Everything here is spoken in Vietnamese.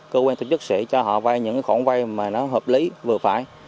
cơ quan tổ chức sẽ cho họ vay những khoản vay mà nó hợp lý vừa phải